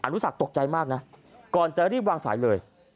นุสักตกใจมากนะก่อนจะรีบวางสายเลย